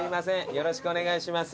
よろしくお願いします。